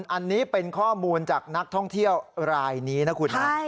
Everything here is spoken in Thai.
อันนี้เป็นข้อมูลจากนักท่องเที่ยวรายนี้นะคุณนะ